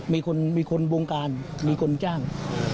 มีคนวงการมีคนจ้าง